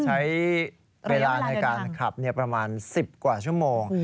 ใช้เวลาในการขับประมาณ๑๐กว่าชั่วโมง